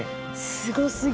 すごすぎる。